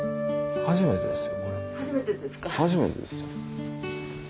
初めてですよ。